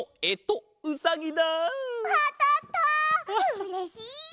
うれしい！